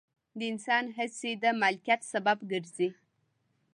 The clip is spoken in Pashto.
د انسان هڅې د مالکیت سبب ګرځي.